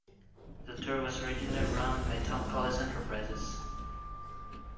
The tour was originally run by Tom Collins Enterprises.